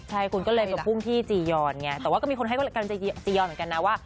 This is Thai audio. ใช่คุณก็เลยไปพุ่งที่จียอนไงแต่ว่าก็มีคนให้การจียอนเหมือนกันนะว่า